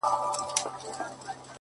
دا ستاد كلـي كـاڼـى زمـا دوا ســـوه’